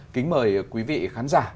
kính mời quý vị khán giả